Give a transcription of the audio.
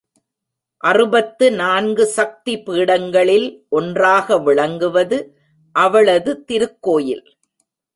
அறுபத்து நான்கு சக்தி பீடங்களில் ஒன்றாக விளங்குவது அவளது திருக்கோயில்.